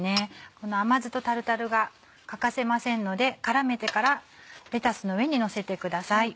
この甘酢とタルタルが欠かせませんので絡めてからレタスの上にのせてください。